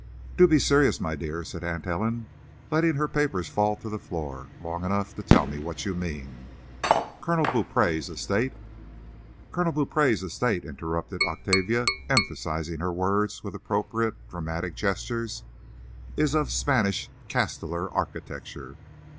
"Do be serious, my dear," said Aunt Ellen, letting her paper fall to the floor, "long enough to tell me what you mean. Colonel Beaupree's estate—" "Colonel Beaupree's estate," interrupted Octavia, emphasizing her words with appropriate dramatic gestures, "is of Spanish castellar architecture.